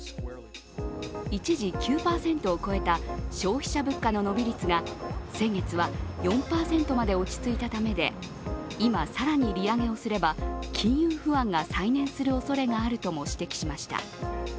一時９％を超えた消費者物価の伸び率が先月は４％まで落ち着いたためで今、更に利上げをすれば金融不安が再燃するおそれがあるとも指摘しました。